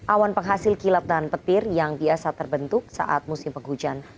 awan penghasil kilat dan petir yang biasa terbentuk saat musim penghujan